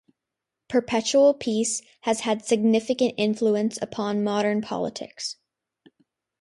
Perpetual peace has had significant influence upon modern politics.